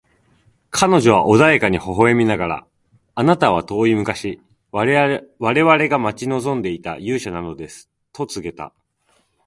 彼女は穏やかに微笑みながら、「あなたは遠い昔、我々が待ち望んでいた勇者なのです」と告げた。